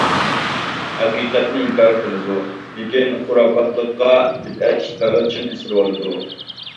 ھەقىقەتنى ئىنكار قىلىدۇ، لېكىن خۇراپاتلىققا بىدئەت ئىشلارغا چىڭ ئېسىلىۋالىدۇ.